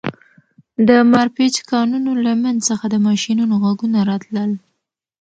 د مارپیچ کانونو له منځ څخه د ماشینونو غږونه راتلل